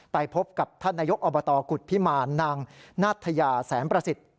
ไปพบกับท่านนายกอบตกุฎพิมารนางนัทยาแสนประสิทธิ์